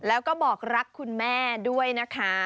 แล้วก็บอกรักคุณแม่ด้วยนะคะ